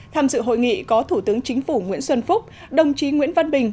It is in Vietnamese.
tham dự hội nghị có thủ tướng chính phủ nguyễn xuân phúc đồng chí nguyễn văn bình